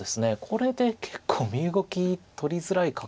これで結構身動き取りづらい格好です。